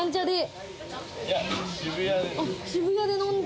渋谷で飲んで。